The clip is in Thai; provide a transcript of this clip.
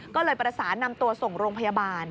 ก็เลยประสานนำตัวส่งโรงพยาบาล